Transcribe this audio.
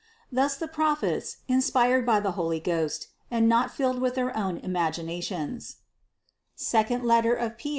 Thus the Prophets, in spired by the Holy Ghost and not filled with their own imaginations (II Pet.